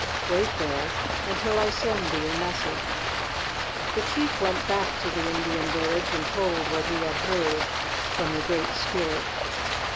Wait there until I send thee a message." The chief went back to the Indian village, and told what he had heard from the Great Spirit.